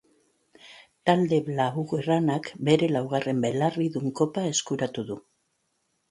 Talde blaugranak bere laugarren belarridun kopa eskuratu du.